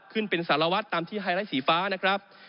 ขึ้นเป็นสารวัตรตามที่ไฮไลท์สีฟ้านะครับ